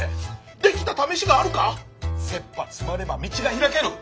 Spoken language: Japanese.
できたためしがあるか⁉せっぱ詰まれば道が開ける？